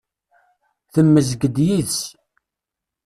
Temmezg-d yid-s.